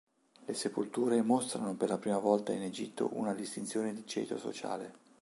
Le sepolture mostrano per la prima volta in Egitto una distinzione di ceto sociale.